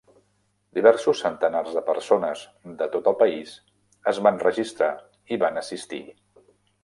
Diversos centenars de persones de tot el país es van registrar i van assistir.